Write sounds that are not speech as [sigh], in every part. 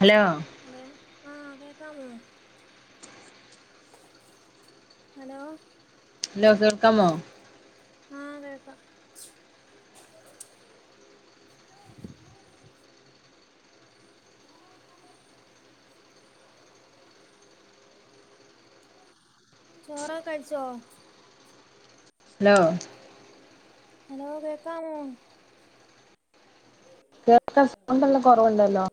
Hello hello ആഹ് കേക്കാമോ hello ഇല്ലോ കേൾക്കാമോ ആഹ് കേക്ക [inaudible] [inaudible] [inaudible] ചോറൊക്കെ കഴിച്ചോ ഹലോ ഹലോ കേൾക്കാമോ കേൾക്കാൻ സൗണ്ട് നല്ല കുറവുണ്ടല്ലോ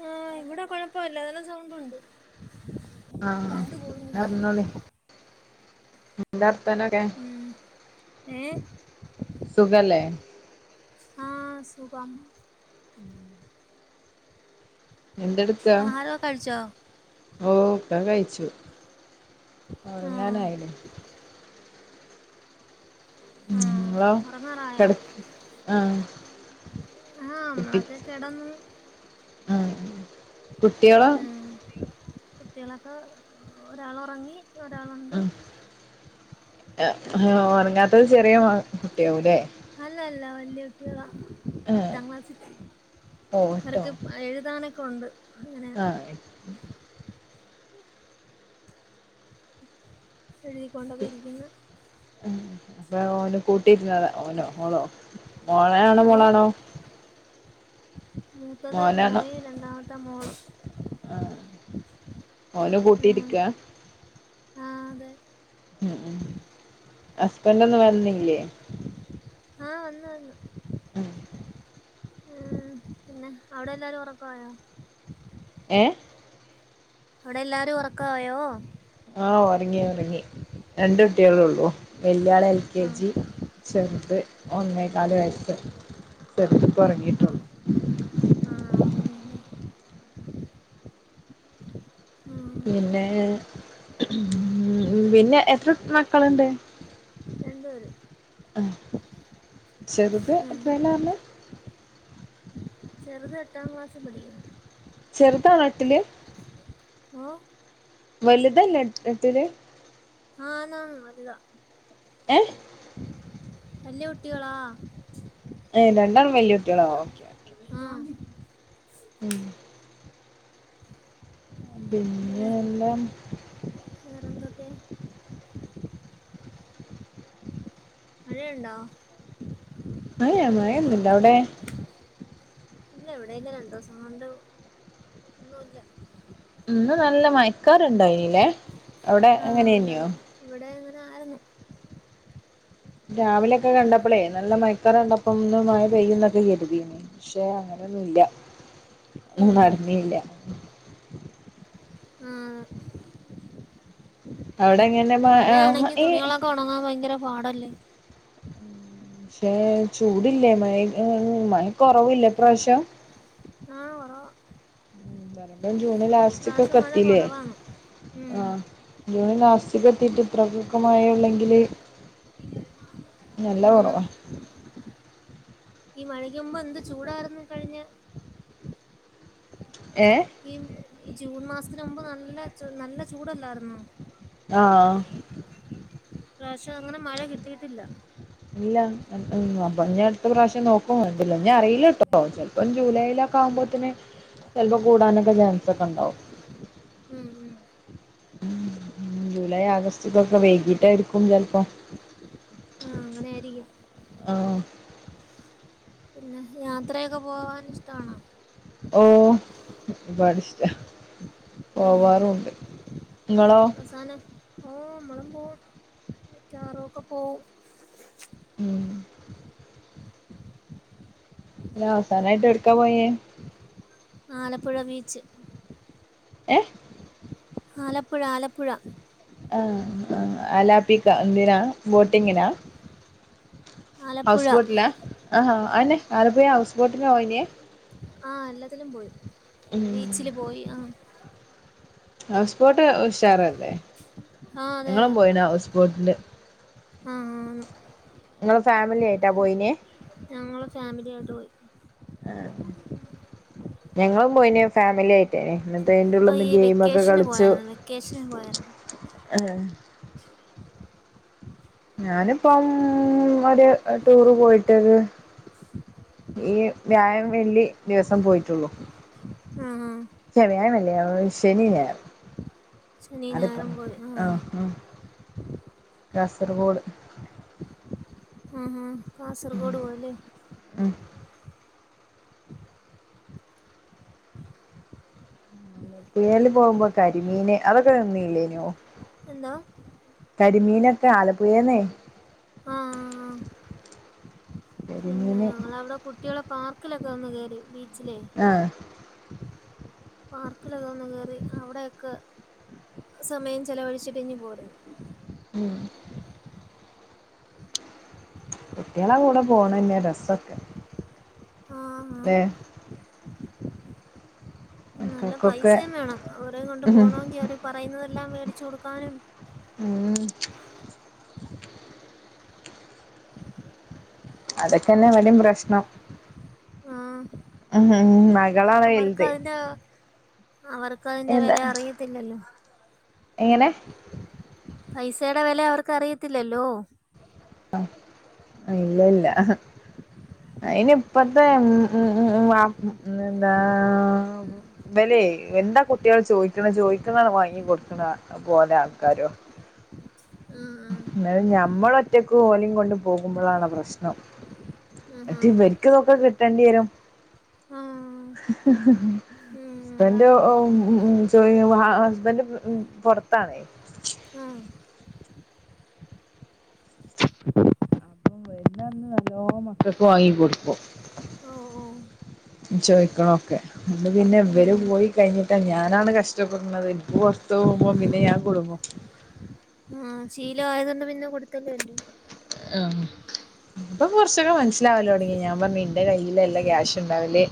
ഏ ഇവിടെ കൊഴപ്പുല്ല നല്ല സൗണ്ടുണ്ട് ആ രണ്ട് കോളും കൂടെ [unintelligible] ഞ്ഞോളി നിന്റെ അർത്തനൊക്കെ ഉം ഏഹ് സുഖല്ലേ ആ സുഖം ഉം ആഹാരൊക്കെ കഴിച്ചോ ഓ ഒക്കെ കഴിച്ചു ആഹ് ഒർങ്ങാനായിലേ ഉം ആഹ് ങ്ങളോ കെട്ക്ക് ആ ആ നമ്മളൊക്കെ കെടന്നു ഉം ഉം കുട്ടികളൊക്കെ ഒരാള് ഒറങ്ങി ഒരാളുണ്ട് ഉം ഉറങ്ങാത്തത് ചെറിയ മ കുട്ടിയാവൂല്ലേ അല്ല അല്ല വല്ല്യ കുട്ടികളാ ആഹ് എട്ടാം ക്ലാസിക്ക് അവർക്ക് എഴുതാനൊക്കെ ഉണ്ട് അങ്ങനെ അ എഴുതിക്കൊണ്ടൊക്കെ ഇരിക്കുന്ന് അപ്പൊ ഓന് കൂട്ടിരുന്നതാ ഓനോ ഓളോ മോളയാണോ ഓ മോളാണോ മൂത്തത് മോനാണോ മോന് രണ്ടാമത്തെ മോള് ആ ഓല കൂട്ടിരിക്ക ആ അതെ ഉം ഉം ഹസ്ബൻഡ് ഒന്നും വരുന്നില്ലേ ആ വന്നു വന്നു ഉം ഉം പിന്നെ അവിടെ എല്ലാരും ഉറക്കായോ എ അവിടെ എല്ലാരും ഉറക്ക ആയോ ആ ഒറങ്ങി ഒറങ്ങി രണ്ട് കുട്ടാളള്ളൂ വൽ ല്യാള് എൽ കെ ആഹ് ജി ചെർത് ഒന്നേക്കാല് വയസ്സ് ചെർതിപ്പൊ ആഹ് ഒർങ്ങീട്ടുള്ളു ആഹ് ഉറങ്ങിയല്ലേ ഉം പിന്നെ ഉം പിന്നെ എത്ര മക്കളുണ്ട് രണ്ടൂ പേര് അ ചെറുത് ഉം എത്രലാർനെ ചെറുത് എട്ടാം ക്ലാസ്സിൽ പഠിക്കുന്ന് ചെറുതാണെട്ടില് ഓ വലുതല്ല എ എട്ടില് ആ നാ വലുതാ എ വല്യ കുട്ടികളാ ഏ രണ്ടാളും വല്യ കുട്ടികളോ ഓക്കെ ഓകെ ആഹ് ഉം പിന്നെ എല്ലാം വേറൊന്തെക്കെ മഴയിണ്ടോ [unintelligible] മഴൊന്നുല്ല അവിടെ ഇല്ല എവിടെയില്ല രണ്ടു ദിവസം കൊണ്ട് ഒന്നുംല്ല ഇന്ന് നല്ല മയക്കാറണ്ടോ അനല്ലേ അവിടെ അങ്ങനെയന്നെയോ ആറുന്നു രാവിലെയൊക്കെ കണ്ടപ്പോളേ നല്ല മയക്കറ കണ്ടപ്പ മ പെയ്യന്നൊക്കെ കരുതിനി പക്ഷേ അങ്ങനെ ന്നില്ല ഉം നടന്നില്ല ആഹ അവിടെ എങ്ങനെ മ ആ മ മഴയാണെങ്കി ഈ തുണികളൊക്കെ ഉണങ്ങാൻ ഭയങ്കര പാടല്ലേ പക്ഷെ ചൂടല്ലേ മഴ മഴക്കുറവില്ല പ്രാവശ്യം ആഹ് കൊറവാ ജൂണ ഇപ്രാവശ്യം ലാസ്റ്റ്ക്കൊക്കെ മഴ ത്തില്ലേ കൊറവാണ് ഉം ആ ജൂണ ലാസ്റ്റ് തീട്ട് ഇത്രക്കൊക്കെ മായുള്ളെങ്കില് ആന്ന് ഈ മഴക്ക് മുമ്പ് എന്ത് ചൂടായിർന്ന് കഴിഞ്ഞ ഏഹ് ഈ ജൂൺ മാസത്തിന മുമ്പ് നല്ല നല്ല ചൂടല്ലായിരുന്നു ആഹ പ്രാവശ്യം അങ്ങനെ മഴ കിട്ടിയിട്ടില്ല ഇല്ല അപ്പൊ അടുത്ത പ്രാവശ്യം നോക്കും എല്ല ഞാ അറിയില്ല കേട്ടോ ചപ്പോ ജൂലൈല ആവുമ്പോതിന് ചലപ്പോ കൂടാനൊക്കെ ചാൻസ ഒക്കെ ഉണ്ടാവും ഉം ഉം ഉം ജൂലൈ ആഗസ്റ്റ് ഇതൊക്കെ വേകിട്ടായിരിക്കും ചിലപ്പോ ആഹ് അങ്ങനെ ആായിരിക്കും ആഹ പിന്നെ യാത്രയൊക്കെ പോവാൻ ഇഷ്ടണോ ഓ ഒരുപാട് ഇഷ്ട ആഹ് പോവാറുമുണ്ട് അവസാനം ഓ നമ്മളും പോവും കാറുംക്കെ പോകവും ഉം ഇല്ല അവസാനായിട്ട് എടുക്കാ പോയേ ആലപ്പുഴ ബീച്ച് ഏ ആലപ്പുഴ ആലപ്പുഴ ആ ആ ആലാപ്പിക്ക എന്തിനാ ബോട്ടിങ്ങിനാ ആലപ്പുഴ ഹൗസ് ബോട്ടിലേ ആ അന്നെ ആലപ്പുഴ ഹൗസ് ബോട്ടിന് പോയിനേ ആഹ എല്ലാത്തിലും പോയി ഉം ബീച്ചില് പോയി ആ ഹൗസ് ബോട്ട് ഉഷാറല്ലേ ആഹ് അതെ ഞങ്ങളും അതെ പോയിന ഹൗസ് ബോട്ടില് ആഹ് ആ നിങ്ങള് ഫാമിലി ആയിട്ടാ പോയിനേ ഞങ്ങളെ ഫാമിലിയ ആയിട്ട് പോയി ആ ഞങ്ങളും പോയിന് ഫാമിലി ആയിട്ടേന ഇപ്പൊ ഈ വെക്കേഷന് പോയരുന്നു വെക്കേഷന് പോയരുന്നു ആഹ ഞാനിപ്പം ഒരു ടൂറ് പോയിട്ടത് ഈ വ്യാഴാം വെള്ളി ദിവസം പോയിട്ടുള്ളു ആഹ ആ വ്യാഴം അല്ല ശെനി ശനിയും ഞായറും ഞായറും പോയി ആ ആഹ് ആ കാസർഗോഡ് ആ ഹ കാസർഗോഡ പോവല്ലേ ഉം പോകുമ്പോ കരിമീന് അതൊക്കെ തിന്നില്ലെന്യോ എന്താ കരിമീനൊക്കെ ആലപ്പുഴേന്ന ആഹ് ആഹ് പിന്നെ ഞങ്ങവിടെ കുട്ടികളെ പാർക്കിലൊക്കെ വന്ന് കേയറി ബീച്ചിലേ ആഹ് പാർക്കിലൊക്കെ വന്ന് കേറി അവിടെയക്കെ സമയം ചെലവഴിച്ചിട്ട ഇങ്ങ് പോരുന്നു ഉം കുട്ടികളെ കൂടെ പോണന്നെ രസം ആഹ് ആണ് [unintelligible] നല്ല മക്കൾക്കൊക്കെ പൈസയും വേണം അവരയും കൊണ്ട് പോണെങ്കിൽ അവര് പറയുന്നതെല്ലാം മേടിച്ചു കൊടുക്കാനും ഉം അതൊക്കെ തന്നെ വിടെയും പ്രശ്നം ഉ അവർക്കതിന്റെ അവർക്ക് അതിന്റെ എന്താ വില അറിയത്തില്ലല്ലോ എങ്ങനെ പൈസയുടെ വില അവർക്ക് അറിയത്തില്ലല്ലോ ആ ഇല്ല ഇല്ല ഇനിപ്പത്തെ ഉ എന്താ വേല എന്താ കുട്ടികൾ ചോദിക്കണ ചോദിക്കുന്നാണ് വാങ്ങി കൊടുക്കണ പോലെ ആൾക്കാരോ ആഹ് എന്നത് ഞമ്മൾ ഒറ്റക്ക് ഓലും കൊണ്ട് പോകുമ്പോളാണോ പ്രശ്നം ആഹ് മറ്റ് ഇവർക്ക് ഇതൊക്കെ കിട്ടേണ്ടി വരും ആഹാ ആഹ് ഉം ഹസ്ബൻറ് അതാണ് ഉ ഹസ്ബൻഡ് പുറത്താണേ ആ പിന്നെ‌ നല്ലോ മക്കക്ക് വാങ്ങി കൊടുക്കും ഉൂ ചോയ്ക്കണ ഒക്കെ അ പിന്നെ ഇവര് ഉം പോയി കഴിഞ്ഞിട്ടാ ഞാനാണ് കഷ്ടപ്പെടുന്നത് ഇപ്പ പൊർ പോം പിന്നെ ഞാൻ കുടുങ്ങും ആ ശീലം ആയതൊന്നും പിന്നെ കൊടുത്തല്ലേ പറ്റൂ അ ഇപ്പൊ കുറച്ചൊക്ക മനസ്സിലാവല്ലോടങ്ങി ഞാൻ പറഞ്ഞ് എന്റെ കൈയിലല്ല ആഹ് ക്യാഷ് ഉണ്ടാവല്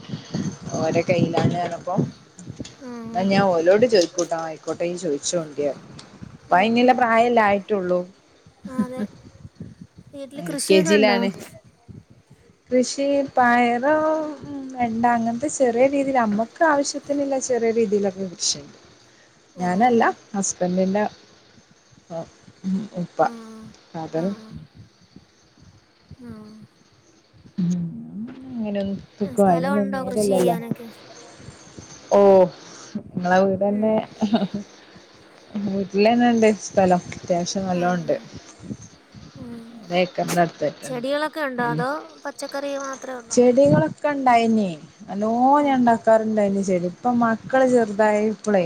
ഓര കയ്യിലാണ്ന്നപ്പോ എന്നാ ആഹ് ഞാൻ ഓലോട് ചോദികൂട്ട ആയിക്കോട്ടെ ചോയി ച്ചോണ്ട് ഉം അപ്പൊയ്നുള്ള ഉം പ്രായല്ലായിട്ടുള്ളൂ ആ, അതെ വീട്ടില് കൃഷിയൊക്കെണ്ടോ കൃഷി പയറും വേണ്ട അങ്ങനത്തെ ചെറിയ രീതിൽ അമ്മക്ക് ആവശ്യത്തിനിള്ള ചെറിയ രീതിയിലൊക്കെ കൃഷി ആ ഞാനല്ല ഹസ്ബന്റിന്റെ. ആ പ്പ ആ അത. ആ ആ ഉം അങ്ങനെയൊന്ന് സുഖം അയിനൊന്നും സ്ഥലമുണ്ടോ കൃഷി നേരല്ലല്ലോ ചെയ്യാനൊക്കെ ഓ ങ്ങളെ ഉം. വീട്ന്നെ വീട്ടിലെന്നെണ്ട് സ്ഥലം അത്യാവശ്യം ആ നല്ലോണ്ട്. ആ ഉം. ചെടികളൊക്കെ ഉണ്ടോ [unintelligible] ഉം അതോ പച്ചക്കറി മാത്രമേ ഉള്ളോ ചെടികളൊ ക്ക ഇണ്ടായിന് നല്ലോ ആ ഞാൻ ഉണ്ടാക്കാറുണ്ടായിന് ശരി ഇപ്പ മക്കള് ചെറുതായിപ്പളെ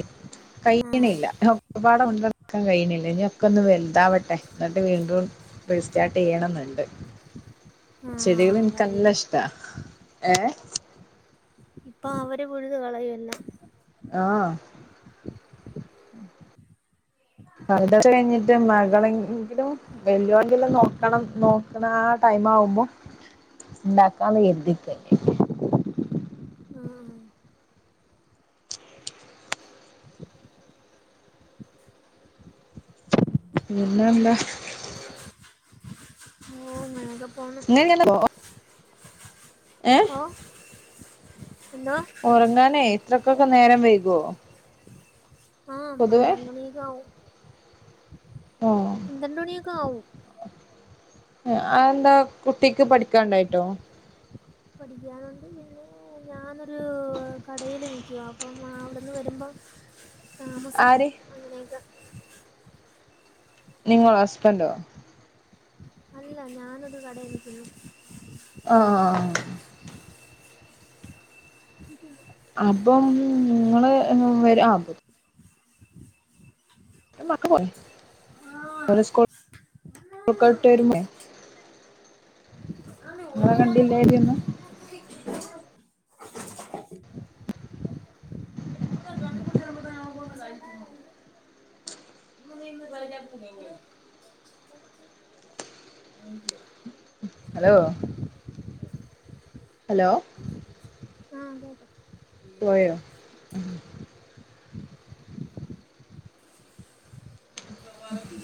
ആ കയ്ക്കണില്ല ഒരുപാട ഉണ്ടാക്കാൻ കയ്ണില്ല ഇനി ഒക്കെ ഒന്ന് വലുതാവട്ടെ എന്നിട്ട് വീണ്ടും റീസ്റ്റാർട്ട് യ്യണെന്ന്ണ്ട്. ആ ചെടികൾ എൻക്ക് അതായിരിക്കും നല്ലിഷ്ട ഹേ പ്പാ അവര് ഫുൾ കളയല്ലാ ആഹ [inaudible] അത കഴിഞ്ഞിട്ട് മകളെങ്കിലും വെളിയന്റെ എങ്കിലും നോക്കണം നോക്കണം ആ ടൈമാകുമ്പോ ഉണ്ടാക്കാന്ന് കരിധിക്കേണ് ഉം പിന്നെ എന്താ ആകെ പോണ് ഇങ്ങനെയല്ല ഏഹ് ഓ എന്തോ ഉറങ്ങാനേ ഇത്രക്കൊക്കെ നേരം വൈകോ ആഹ പൊതുവേ പന്ത്രണ്ട് മണി ഒക്കെ ആവും ആഹ് പന്ത്രണ്ടണിക്കെആവും അന്താ കുട്ടിക്ക് പഠിക്കാണ്ടായിട്ടോ പഠിക്കാനുണ്ട് പിന്നെ ഞാനൊരു കടേല് നിൽക്കെ അപ്പം അവിടെന്ന് വരുമ്പം താമസിക്കും ആര് അങ്ങനെയൊക്കെ നിങ്ങള ഹസ്ബന്റോ അല്ല ഞാനത് കടയിൽക്കുന്നു ആഹ് അപ്പം നിങ്ങള് വരാ അ മാക്ക് ആഹ് [unintelligible] [unintelligible] സ്കോപ്പൊ ട്ട് വരുമേ അക്ക അ നീന്ന് കളഞ്ഞ [unintelligible] ഹലോ ഹലോ കേക്കാം പോയോ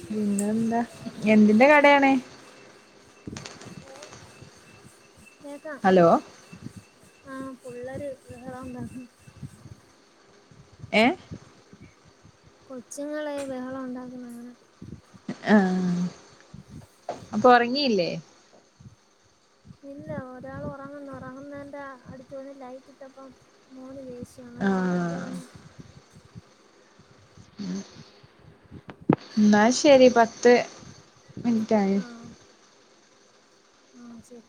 പിന്നെ എന്താ എന്തിന്റെ കടയാണ്? കേക്കാം ഹലോ വേറെന്താ ഏ കൊച്ചുങ്ങളെ ബഹളം ഒണ്ടാക്കുന്നങ്ങനെ ആഹ് അപ്പൊ ഒറങ്ങിയില്ലേ? ഇല്ല ഒരാൾ ഒറങ്ങുന്നു ഒറങ്ങുന്നതിന്റെ അടുത്ത് വന്ന് ലൈറ്റ് ഇട്ടപ്പം മോന് ണീ ച്ച് ആ അവളെടുത്ത് വന്നെ എന്നാ ശരി പത്ത് മിനിറ്റായി ആഹ് ശരി